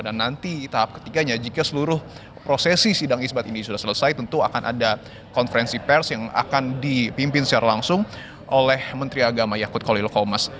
dan nanti tahap ketiganya jika seluruh prosesi sidang isbat ini sudah selesai tentu akan ada konferensi pers yang akan dipimpin secara langsung oleh menteri agama yakut kholilokomas